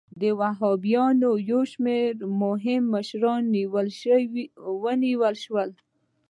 د وهابیانو یو شمېر مهم مشران ونیول شول.